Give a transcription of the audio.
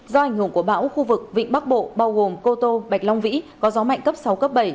do ảnh hưởng của bão khu vực vịnh bắc bộ bao gồm cô tô bạch long vĩ có gió mạnh cấp sáu cấp bảy